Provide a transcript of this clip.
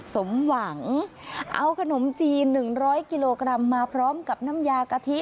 สมหวังเอาขนมจีน๑๐๐กิโลกรัมมาพร้อมกับน้ำยากะทิ